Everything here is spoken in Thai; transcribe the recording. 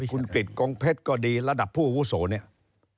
คุณกิดกองเพชรก็ดีระดับผู้อัฐวุสงศ์